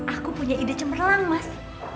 aku punya ide cemerlang mas